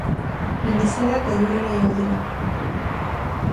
Mendizaleak gailurrera igo dira.